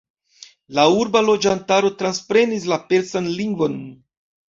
La urba loĝantaro transprenis la persan lingvon.